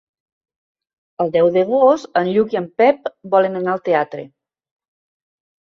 El deu d'agost en Lluc i en Pep volen anar al teatre.